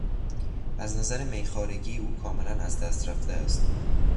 از نظر میخوارگی، او کاملا از دست در رفته است.